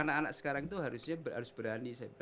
anak anak sekarang itu harusnya harus berani